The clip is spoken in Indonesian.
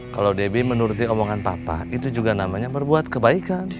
kalau debbie menuruti omongan papa itu juga namanya berbuat kebaikan